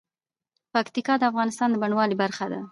پکتیا د افغانستان د بڼوالۍ برخه ده.